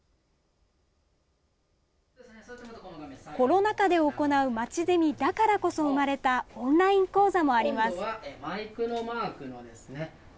コロナ禍で行うまちゼミだからこそ生まれたオンライン講座もあります。